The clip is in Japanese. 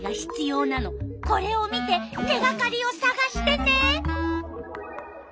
これを見て手がかりをさがしてね！